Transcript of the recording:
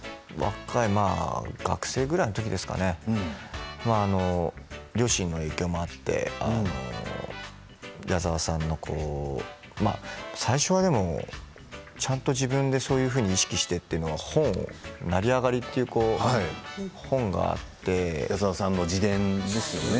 学生くらいのときですかね両親の影響もあって矢沢さんの最初は、ちゃんと自分でそういうふうに意識してというのは「成りあがり」という本があって矢沢さんの自伝ですよね。